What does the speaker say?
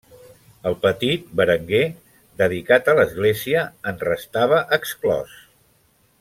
El petit, Berenguer, dedicat a l'Església, en restava exclòs.